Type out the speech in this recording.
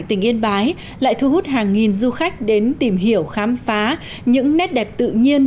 tỉnh yên bái lại thu hút hàng nghìn du khách đến tìm hiểu khám phá những nét đẹp tự nhiên